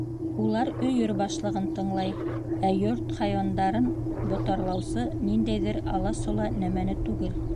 — Улар өйөр башлығын тыңлай, ә йорт хайуандарын ботарлаусы ниндәйҙер ала-сола нәмәне түгел.